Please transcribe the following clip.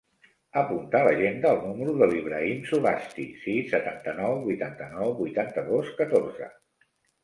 Apunta a l'agenda el número de l'Ibrahim Zugasti: sis, setanta-nou, vuitanta-nou, vuitanta-dos, catorze.